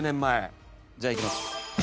じゃあいきます。